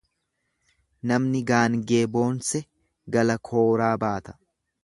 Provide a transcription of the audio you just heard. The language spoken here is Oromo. Namni gaangee boonse gala kooraa baata.